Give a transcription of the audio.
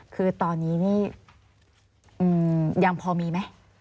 คือตอนนี้นี่ยังพอมีไหม